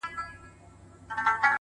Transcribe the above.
• چي یې زور د مټو نه وي تل زبون دی ,